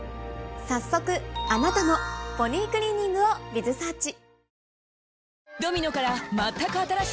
早速あなたもポニークリーニングをｂｉｚｓｅａｒｃｈ。